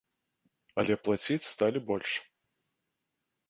Але плаціць сталі больш.